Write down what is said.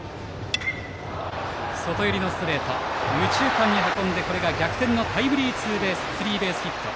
外寄りのストレートを右中間に運んで逆転のタイムリースリーベースヒット。